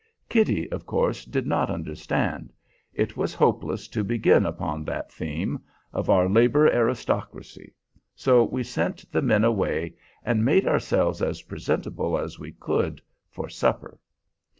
Kitty of course did not understand; it was hopeless to begin upon that theme of our labor aristocracy; so we sent the men away, and made ourselves as presentable as we could for supper.